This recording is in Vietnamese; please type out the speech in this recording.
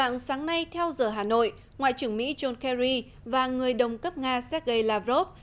sáng nay theo giờ hà nội ngoại trưởng mỹ john kerry và người đồng cấp nga sergei lavrov